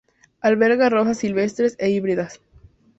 Alberga rosas silvestres e híbridas.